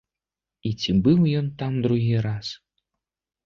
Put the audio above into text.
І ці быў ён там другі раз?